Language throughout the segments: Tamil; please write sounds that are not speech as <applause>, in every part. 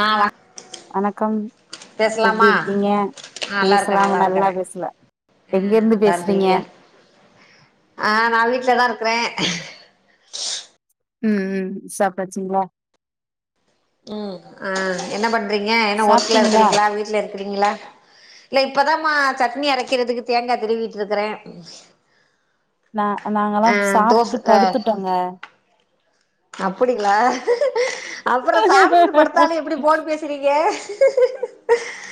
ஆ வணக்கம் பேசலாமா எப்டிருக்கீங்க? ஆ நல்லா இருக்கே பேசலாங்க நல்லா இருக்கறே பேசுவே ஆ எங்கருந்து நல்லா பேசுறீங்க? இருக்கிறீங்களா க்றே ம் ம் சாப்ட்டாச்சுங்ளா? ம் ஆ என்ன பண் றீங்க என்ன சாப்ட்டீங்களா ஒர்க்லருக்றீங்ளா? வீட்லருக் றீங்ளா இல்ல இப்பதாம்மா சட்னி அரக்கிறதுக்கு தேங்கா திருவிட்ருக்றே நா நாங்கல்லா சாப்டுட்டு படுத்துட்டோங்க அப்படிங்களா அப்றோ சாப்டுட்டு படுத்தாலு எப்டி போன் பேசுறீங்க?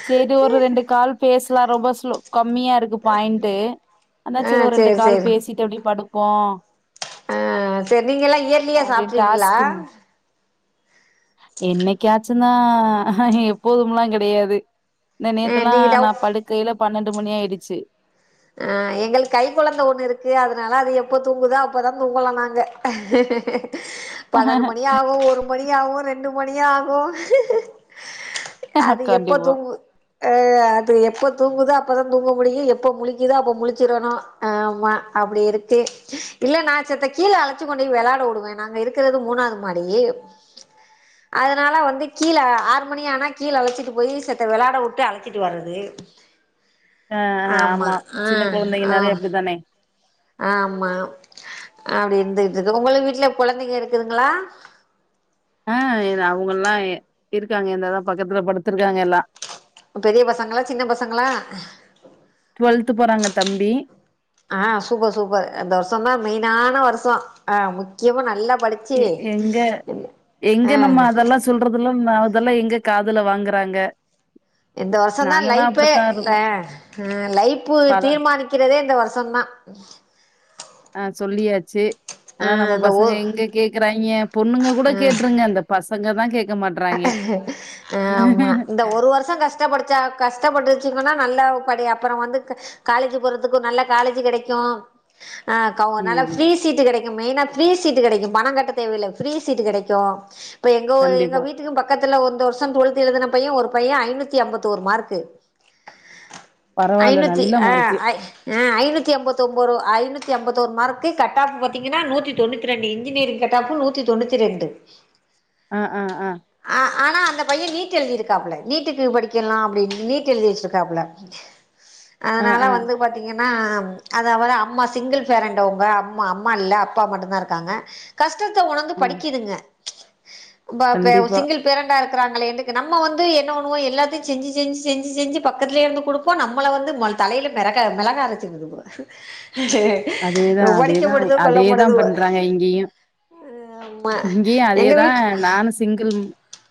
சே இதொரு ரெண்டு கால் பேசலா ரொம்ப ஸ் லோகப் மியாருக்கு பாயிண்டு அதா ஆ செரி ஒரு ரெண்டு சேரி கால் சேரி பேசிட்டு அப்டி படுப் ப்போ ஆ செர் நீங்கலா இயர்லியா அப்டின்னு சாப்ட்ரூவீங்களா? டாஸ்க்கு என்னைக்காச்சுந்தா எப்போதும்லா கெடையாது இன ஆ நேத்தெல்லா நீங்க நா டவ் படுக்கையில பண்ணண் டு மணி ஆயிருச்சு ஆ எங்களுக்க் கை கொழந்த ஒன்னு இருக்கு அத்னால அது எப்ப தூங்குதோ அப்பதா தூங்கலா நாங்க பண்ணண்டு மணி ஆகு ஒரு மணி ஆகு ரெண்டு மணி ஆகு அது எப்ப கண்டிப்பா தூங்கு ஆ அது எப்ப தூங்குதோ அப்பதா தூங்க முடியூ எப்ப முழிக் கிதோ அப்ப முழிச்சிரணூ ஆமா அப்டிருக்கு இல்ல நா செத்த கீழ அழச்சு கொண்டு போய் வெளாட விடுவே நாங்க இருக்கிறது மூணாவ்து மாடி அதனால வந்து கீழ ஆறு மணி ஆனா கீழ அழச்சிட்டு போய் செத்த வெளாட விட்டு அழச்சிட்டு வர்றது ஆ ஆமா சின்ன கொழந்தைங்கன்னாலே ஆ அப்டிதானே ஆமா அப்டி இருந்துகிட்டுர்க் உங்களு வீட்ல கொழந்தைங்க இருக்குதுங்ளா? ஆ இத் அவங்கெல்லா இருக்காங்க இந்தாதா பக்கத்துல படுத்திருக்காங்க எல்லா பெரிய பசங்களா சின்ன பசங்களா டுவெல்த் போறாங்க தம்பி ஆ சூப்பர் சூப்பர் இந்த வருஷந்தா மெயினான வருஷோ ஆ முக்கியமு நல்ல எங்க எங்க ஆ நம்ம அதெல்லா சொல்றதுலா மே தெல்லா எங்க காதுல வாங்குறாங்க இந்த வருஷந்தா நாங்கல்லா லைப்பே அப்டித்தா இருக்கோ ஆ லைப்பு பல தீர்மானிக்கிறதே இந்த வருஷந்தா அ சொல்லியாச்சு ஆ ஆனா நம்ம இந்த பசங்க ஒரு எங்க கேக்குறாய்ங்க பொண்ணுங்க கூட ஆ கேட்ருங்க அந்த பசங்க பசங்கதா கேக் ஆமா இந்த ஒரு வருஷ கஷ்டப்படுச்சா கஷ்டப்பட்டு படிச்சுதுனா நல்லா படி அப்புற வந்து காலேஜ் போறதுக்கு நல்ல காலேஜ் கெடைக்கு ஆ கவ் நல்ல ம் ஃப்ரீ சீட்டு கெடை க்கு மெயினா ஃப்ரீ சீட் கெடைக்கு பணங் கட்ட தேவையில்ல ஃப்ரீ சீட்டு கெடைக்கு இப்ப எங்கு எங்க கண்டிப்பா வீ பக்கத்துல ஒ இந்த வருஷ டுவெல்த் எழுதுன பைய ஒரு பைய ஐநூத்தி எம்பத்தொரு மார்க்கு பரவால்ல ஐநூத்தி நல்ல ஆ மார்க்கு ஐ ஆ ஐநூத்தி எம்பத்தொம்போ ஐநூத்தி எம்பத்தொரு மார்க்கு கட் ஆஃப் பாத்தீங்கன்னா நூத்தி தொண்ணூத்தி ரெண்டு இன்ஜினியரிங் கட் ஆஃபு நூத்தி தொண்ணூத்தி ரெண்டு ஆ ஆ ஆ ஆ ஆனா அந்த பைய நீட் எழுதிருக்காப்புல நீட்டுக்கு படிக்கலா அப்புடின்னு நீட் எழுதி வச்சிருக்காப்புல ஆ அதனால ஆ வந்து பாத்தீங்கன் அதாவது அம்மா சிங்கிள் பேரண்ட் நா அது அவுக அம்மா சிங்கிள் பேரன்ட் அவுங்க அம்மா அம்மா இல்ல அப்பா மட்டுந்தா இருக்காங்க கஷ் ஷ்டத்த உணந்து ஆ படிக்கனுங்க பாப்பே கண்டிப்பா சிங்கிள் பேரண்ட்டா இருக்குறாங்களேனு நம்ம வந்து என்ன பண்ணுவோ எல்லாத்தையு செஞ்சு செஞ்சு செஞ்சு செஞ்சு பக்கத்துலயே இருந்து குடுப்போ நம்மள வந்து ம தலையில மிளக மிளகா அரைச்சுருதுங்க அதேதா அதேதா அதேதா கொல்லப்படுதோ பண்றாங்க இங்கேயு ஆமா இங்கயு எங்க அதேதா வீட் நானு சிங்கிள்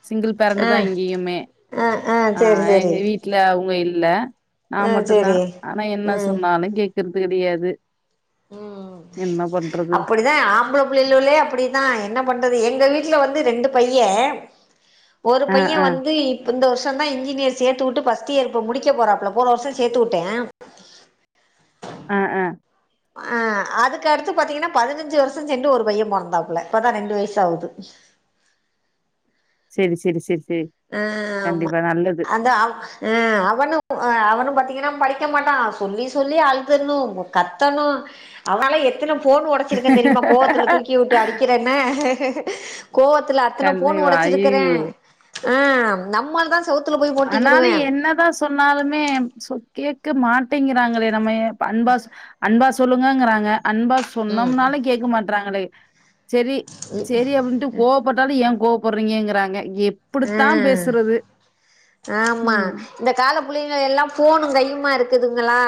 சிங்கிள் ஆ பேரண்ட்டு தா இங்கயுமே ஆ ஆ சேரி எங்க சேரி வீட்ல அவுங்க இல்ல நா ஆ மட்டுந்தா சேரி ஆனா என்ன ம் சொன்னாலுங் கேக்கறது கெடையாது ம் அப்புடிதா ஆம்பள புள்ளிலுலே அப்புடிதா என்ன பண்றது எங்க வீட் ட்ல வந்து ரெண்டு பையெ ஒரு ஆ, பைய ஆ, வந்து இப் இந்த வருஷந்தா இன்ஜினியர் சேத்து வுட்டு ஃபஸ்ட் இயர் இப்ப முடிக்க போறாப்ல போன வருஷோ சேத்து உட்டே ஆ ஆ ஆ அதுக்கடுத்து பாத்தீங்கன்னா பதினஞ்சு வருஷ சென்று ஒரு பைய பொறந்தாப்புல இப்பதா ரெண்டு வயசு ஆவுது செரி செரி செரி ஆ ஆமா அந்த அவ் ஆ அவனு அ அவனும் பாத்தி ங்னா படிக்க மாட்டா சொல்லி சொல்லி அழுதர்ணு கத்தணு அவனால எத்தன ஃபோன் ஒடச்சிருக்கே தெரியுமா கோவத்துல தூக்கி வுட்டு அடிக்கிறன்னு கோவத்துல அத்தன ஃபோனு கண்டிப்பா. ஒடச்சிருக்கறே ஐயய்யோ! ஆ நம்மால்தா ஆனாலு என்னதா சொன்னாலுமே சொ கேக்க மாட்டிங்கிறாங்களே நம்ம அன்பாஸ் அன்பாஸ் சொல்லுங்க ங்றாங்க அன்பா ம் சொன்னொம்னாலு கேக்க மாட்றாங்களே செரி செரி அப்புன்ட்டு கோவப்பட்டாலு ஏன் கோ பட்றீங்க ங்றாங்க எப் ஆ ப்புடித்தா பேசுறது ஆமா ம். இந்த கால புள்ளைங்க எல்லா ஃபோனுங் கையுமாருக்கு குதுங்ளா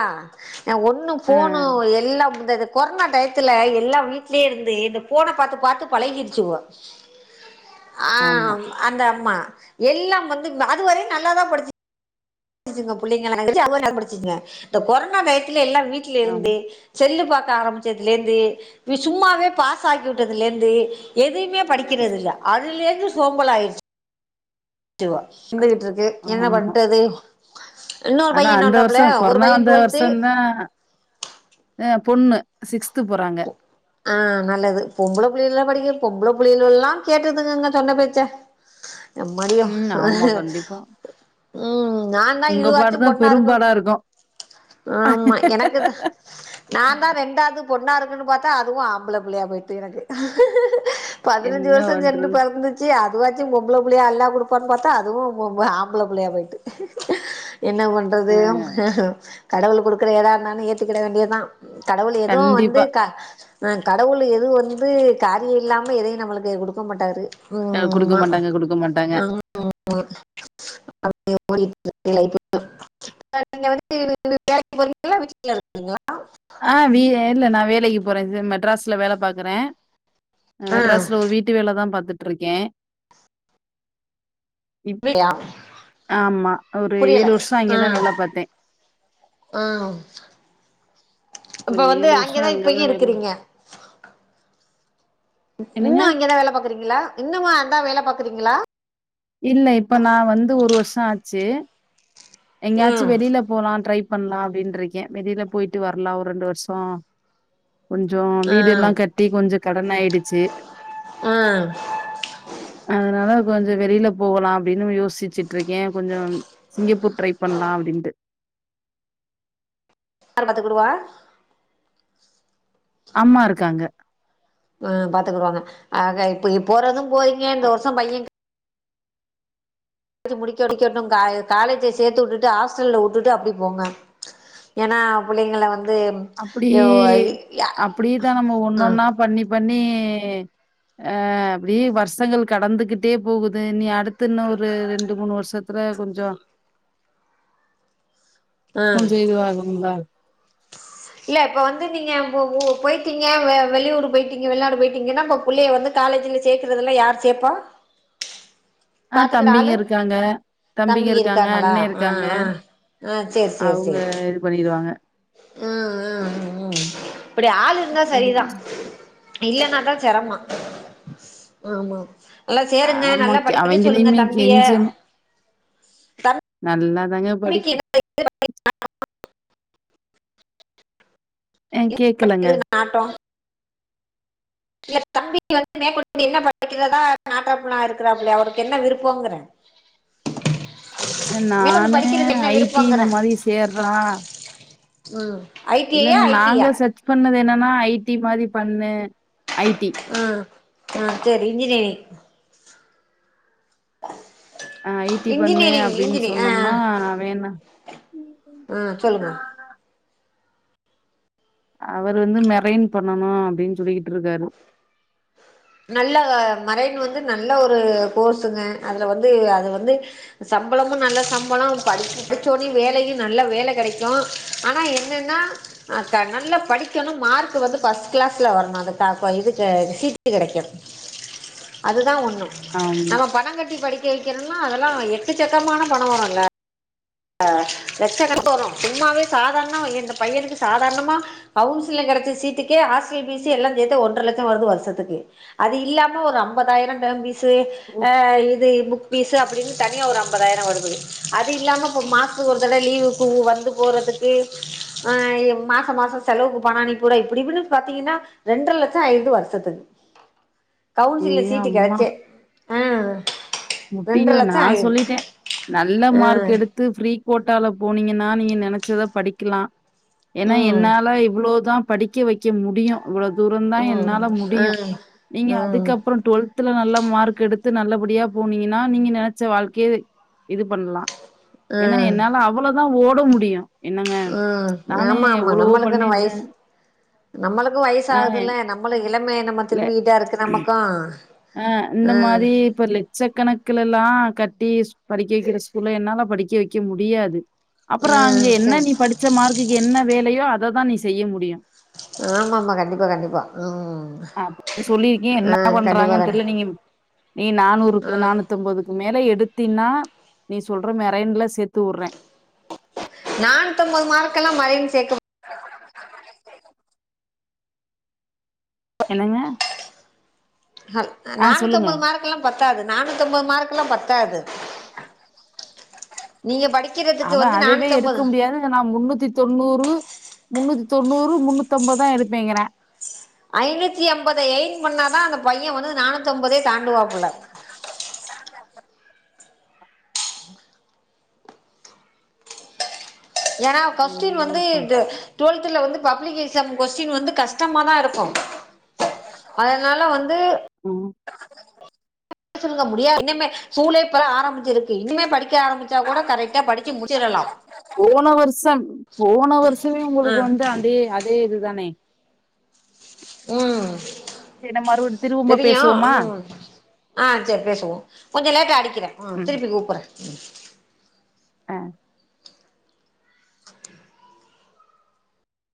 ஆ ஒன்னு அ ஃபோனு எல்லா இந்தது கொர்னா டையத்துல எல்லா வீட்லே இருந்து இந்த ஃபோன பாத்து பாத்து பழகிருச்சுவோ ஆ ஆமா, அந்த மா எல்லாம் வந்து அது வரையு நல்லாதா படிச்சு ச்சுங்க புள்ளைங்கலா <unintelligible> நல்லா படிச்சு ங்க இந்த கொர்னா டை ல எல்லா வீட்ல இருந்து ஆமா, செல்லு பாக் ஆரம்பிச்சதுலேந்து வி சும்மாவே பாஸ் ஆக்கிவுட்டதுலேந்து எதைமே படிக்கிறதில்ல அதுல்யே சோம்பலாயிர்ச்சு ட்டுவா அ ந்துகுட்ருக்கு என்ன ஆமா. பண்ட்டது ஆனா அந்த வருஷ கொரோனா பைய வந்த டுவெல்த்து வருஷந்தா <unintelligible> பொண்ணு சிக்ஸ்த்து போறாங்க ஆ நல்லது பொம்பள புள்ள எல்லா படிக்க பொம்பள புள்ளிகளல்லா கேக்குதுங்கங்க சொன்ன பேச்ச எம்மாடியோ ம் ஆமா கண்டிப்பா. <unintelligible> ம் நா தா உங்க பாடு இதுவாச்சு தான் பொண்ணாருக்ணு பெரும்பாடா இருக்கும். ஆமா எனக்கு தா நா தா ரெண்டாது பொண்ணாருக் குனு பாத்தா அதுவு ஆம்பள பிள்ளையா போயிட்டு எனக்கு பதினஞ்சு என்ன வருஷ செண்டு பண்றது? பெறந்துச்சு அது அதுவாச்சு பொம்பள புள்ளையா அல்லா குடுப்பான் பாத்தா அதுவு பொ ஆம்பள புள்ளையா போயிட்டு என்ன பண்றது அ கடவுள் குடுக்குற எதாருந்தாலு ஏத்துக்குட வேண்டியதா கடவுள் எதுவு வந்து கண்டிப்பா. க ஆ கடவுள் எது வந்து காரிய இல்லாம எதையு நம்ளுக்கு குடுக்க மாட்டாரு ஆ ம் குடுக்க ஆமா மாட்டாங்க குடுக்க மாட்டாங்க <inaudible> வேலைக்கு போறீங்கலா வீட்ல இருக்கீங்கலா ஆஹ் வி இல்ல நா வேலைக்கு போறே ச மெட்ராஸ்ல வேல பாக்குறே மெட்ராஸ்ல ஒரு வீட்டு வேலதா பாத் த்துட்ருக்கே இப் ஆ ஆமா ஒரு புரியல ஏழு வர்ஷோ ஆ அங்கேதா வேல பாத்தே ஆ இப்ப வந்து அங்கதா இப்பயு வேல இருக்குறீங்க என்னங்க இன்னு அங்கதா வேல பாக் க்ரீங்களா இன்னுமா அந்தா வேல பாக்குறீங்களா இல்ல இப்ப நா வந்து ஒரு வருஷோ ஆச்சு எங்யாச்சும் ம் வெளில போலா ட்ரைப் பண்லா அப்டின்டுருக்கே வெளியில போயிட்டு வரலா ஒர் ரெண்டு வருஷோ கொஞ்சோ ஆ வீடு எல்லாங் கட்டி கொஞ்ச கடன்னாயிடுச்சு ஆ அதனால கொஞ்ச வெளில போகலா அப்டின்னு யோசிச்சுட்ருக்கே கொஞ்சொ சிங்கப்பூர் ட்ரை பண்ணலா அப்டின்ட்டு யார்பாத்து குடுவா அம்மா இருக்காங்க ஆஹ் பாத்துக்கிடுவாங்க ஆக இப்ப இ போறதும் போரீங்க இந்த வருஷோ பையன்ங் ஜு முடிக்கடிக்டிக்க இன்னு காலே காலேஜீ சேத்து உட்டுட்டு ஆஸ்டல்ல உட்டுட்டு அப்டி போங்க ஏன்னா புள்ளைங்க வந் அப்புடி அப்புடிதா நம்ம ஆ ஒண்ணொன்னா பண்ணி பண்ணி அஹ் அப்டி வர்ஸங்கள் கடந்துகிட்டே போகுது நீ அடுத்தின்னு ஒரு ரெண்டு மூணு வருஷத்துல கொஞ்சொ ஆ ஞ்சோ இதுவாகனும்ல இல்ல இப்ப வந்து நீங்க ம உ போயிட்டீங்க வெ வெளியூர் போயிட்டீங்க வெளிநாடு போயிட்டீங்கன்னா அப்போ புள்ளைய வந்து காலேஜ்ல சேக்கறதெல்ல யார் சேப்பா ஆஹ் பாத்துக்குற தம்பிங்க ஆளு இருக்காங்க தம்பிங்க தம்பி இருக்காங்க இருக்காங்களா அண்ணே ஆ இருக்காங்க ஆ அவுங்க இது பண்ணிருவாங்க ஹ்ம் ஹ்ம் ம் ம் அப்பிடி ஆள் இருந்தா ம். சரிதா இல்லன்னாதா செரம ஆமா நல்லா சேருங்க ஆமா நல்லா கெ படிக்க சொல்லுங்க அவங்களையுமே தம்பிய நல்லா தாங்க தம்பிக்கு படிக் என்ன அ கேட்கலங்க. <inaudible> நாட்டோ சேரி தம்பிக்கு வந்து மேக்கொண்டு என்ன படிக்கிறதா நாட்டாப்புல இருக்கிறாப்புலயா அவருக்கு என்ன விருப்பங்குற நானு ஐ டி இந்த மாரி சேர்றா ம் ஐ டி ஐ யா இல்லன்னா ஐ டி நாங்க யா செர்ச் பண்ணதென்னா னா ஐ டி மாரி பண்ணு ஐடி ஹ்ம் ஆ செரி இஞ்ஜினியரிங் <inaudible> ஆ ஐ டி பண்ணு இன்ஜினியரிங் அப்பிடின்னு இன்ஜினி ஆ சொன்னோம்னா வேணா ஆ சொல்லுங்க அவர் வந்து மெரைன் பண்ணணும் அப்பிடின்னு சொல்லிக்கிட்டு இருக்காரு நல்ல மரைன் வந்து நல்ல ஒரு கோர்ஸுங்க அதுல வந்து அது வந்து சம்பளமும் நல்ல சம்பளம் படிச்ச படிச்சோன்னே வேலயும் நல்ல வேல கெடைக்கும் ஆனா என்னன்னா நல்ல படிக்கனும் மார்க் வந்து ஃபர்ஸ்ட் கிளாஸ்ல வரணும் அதுக்கா இதுக்கு சீட் ட்டு கெடைக்கும் அதுதான் ஒன்னு ஆமா. நம்ம பணங்கட்டி படிக் கேக்கிறேனோ அதெல்லாம் எக்கச்சக்கமான பணோ வரும்ல்ல ஆ லட்ச கணக்கு வரும் சும்மாவே சாதாரணம் என்ற இந்த பையனுக்கு சாதாரணமா கவுன்சிலிங் கெடச்ச சீட்டுக்கே ஹாஸ்டல் ஃபீசி எல்லாம் சேர்த்து ஒன்ற லட்சம் வருது வருஷத்துக்கு அது இல்லாம ஒரு அம்பதாயிரம் டேர்ம் ஃபீஸ் சு ஆ இது இப் புக் ஃபீஸ் அப்பிடின்னு தனியா ஒரு அம்பதாயிரம் வருது அது இல்லாம இப்போ மாசத்துக்கு ஒரு தடவ லீவுக்கு உ வந்து போறதுக்கு ஆ மாச மாசம் செலவுக்கு பண அனுப்பி விட இப்படின்னு பாத்தீங்கன்னா ரெண்ட்ர லட்சம் ஆய்றுது வருஷத்துக்கு ஓகே கவுன்சிலிங்கல சீட்டு கெடச்சே முட்டிக்க நான் ஆயிடுது சொல்லிட்டேன் நல்ல மார்க் ஆஹ் எடுத்து ஃப்ரீ கோட்டால போனீங்கன்னா நீங்க நெனைச்சத படிக்கலாம் ஏன்னா உம் என்னாலா இவ்ளோதான் படிக்க வைக்க முடியும் அவ்வளோ தூரந்தான் ம் என்னால முடியும் ம் நீங்க ம் அதுக்கப்புறம் டுவெல்த் த்துல நல்ல மார்க் எடுத்து நல்லபடியா போனீங்கன்னா நீங்க நெனைச்ச வாழ்க்கைய இது பண்ணலாம் ஏன்னா ம் என்னால அவ்வளோ தா ஓட முடியு ம் ஆமா ஆமா நம்மளுக்குனு பண்ணியிருந்தேன். வயசு நம்மளுக்கு ஆ வயசாகுதுல்ல நம்மளுக்கு இளமை மை திரும்பிட்டா இருக்கு நமக்கும் ஆ இந்த மாரி இப்ப லெட்ச கணக்கல எல்லா கட்டி படிக்க வைக்கிற ஸ்கூல என்னால படிக்க வைக்க முடியாது அப்புறம் அங்க ம் என்ன சரி நீ படிச்ச மார்க்குக்கு என்ன வேலையோ அது அததான் நீ செய்ய முடியும் ஆமா ஆமா கண்டிப்பா கண்டிப்பா ம் அப்படின்னு சொல்லியிருக்கேன். ஆ என்ன கண்டிப்பா கண் பண்றாங்கன்னு தெரியல நீங்க நீ நானூறுக்கு ம் நானூத்தொன்பதுக்கு மேல எடு எடுத்தினா நீ சொல்ற மெரன்ல சேர்த்து உட்றே நானுத்தொன்பது மார்க்கலாம் மரைன் சேக் <inaudible> என்னங்க அல் ஆ சொல்லுங்க. நானூத்தொம்போது மார்க்குலா பத் தாது நானூத்தொம்போது மார்க்குலா பத்தாது நீங்க படி அவ அதுவே எடுக்க முடியாதுங்றா நா முன்னூத்தி தொண்ணூறு முன்னூத்தி தொண்ணூறு முன்னூத்தம்பதா எடுப்பேங்கிறா ஐநூத்தி அம்பத எயிம் பண்ணாதா அந்த பையன் வந்து நானூத்தம்பதே தாண்டுவாப்புல்ல ஏனா கொஸ்ட்டீன் வந்து என்னப்பா! தொ டுவெல்துல வந்து பப்பிளிக் எ சம் கொஸ்டின் வந்து கஷ்டமாதா இருக்கோ அதனால வந்து ம். காச்சலுங்க முடியா இனிமே சூலே இப்பதா ஆரம்பிச்சிருக்கு இன்னிமே படி கே ஆரம்மிச்சா கூட கரெக்டா படிச்சு முடிச்சிரலாம் போன வருஷம் போன வருஷமே ஆ உங்குளுக்கு வந்து அந்தே அதே இது தானே ம் நம்ம மறுபடியும் திரும்ப தெரியு பேசுவோமா? ஆ செர் பேசுவோ கொஞ்சோ லேட்டா அடிக்கிறே ம். திருப்பிக் கூப்புறே ஆ